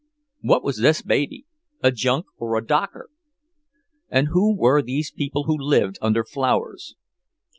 What was this baby, a Junk or a Docker? And who were these people who lived under flowers?